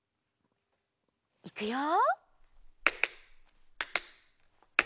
いくよ。